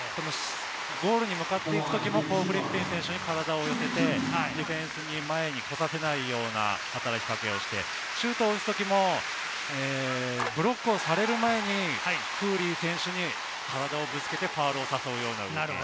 ゴールに向かっていく時もコー・フリッピン選手に体を寄せてディフェンスを前に来させないような働きかけをして、シュートを打つときもブロックをされる前にクーリー選手に体をぶつけてファウルを誘うと。